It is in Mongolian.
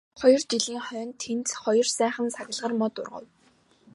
Хоёр жилийн хойно тэнд хоёр сайхан саглагар мод ургав.